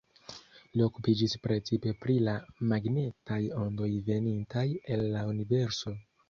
Li okupiĝis precipe pri la magnetaj ondoj venintaj el la universo.